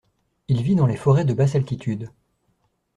Il vit dans les forêts de basse altitude.